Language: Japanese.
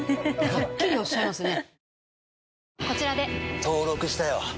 はっきりおっしゃいますね。